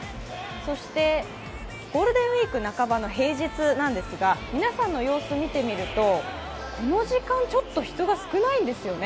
そしてゴールデンウイーク半ばの平日なんですが皆さんの様子見てみると、この時間ちょっと人が少ないんですよね。